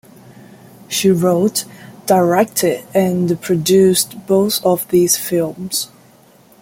She wrote, directed and produced both of these films.